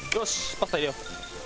パスタ入れよう。